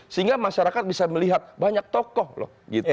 sehingga masyarakat bisa melihat banyak tokoh loh